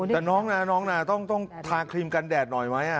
แต่น้องนะน้องนะต้องทาครีมกันแดดหน่อยไหม